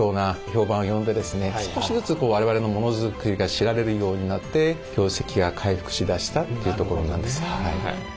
少しずつ我々のモノづくりが知られるようになって業績が回復しだしたというところなんです。